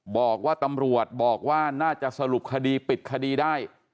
บอกว่าตำรวจบอกว่าน่าจะสรุปคดีปิดคดีได้